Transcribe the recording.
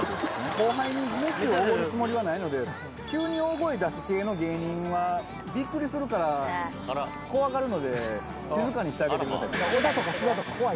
後輩に飯をおごるつもりはないので急に大声出す系の芸人はビックリするから怖がるので静かにしてあげてください